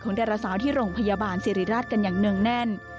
ดาราสาวที่โรงพยาบาลสิริราชกันอย่างเนื่องแน่น